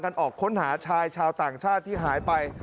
ออกค้นหาชายชาวต่างชาติที่หายไป